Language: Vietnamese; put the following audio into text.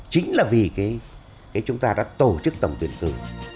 chính là vì chúng ta đã tổ chức tổng tuyển cử